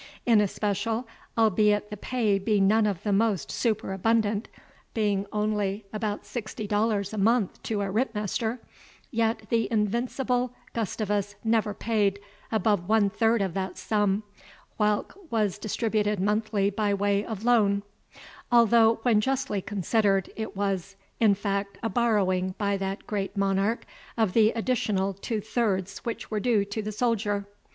In especial, albeit the pay be none of the most superabundant, being only about sixty dollars a month to a ritt master, yet the invincible Gustavus never paid above one third of that sum, whilk was distributed monthly by way of loan; although, when justly considered, it was, in fact, a borrowing by that great monarch of the additional two thirds which were due to the soldier.